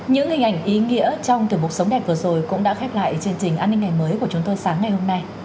những hình ảnh ý nghĩa trong thời mục sống đẹp vừa rồi cũng đã khép lại chương trình an ninh ngày mới của chúng tôi sáng ngày hôm nay